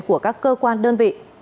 của các cơ quan đơn vị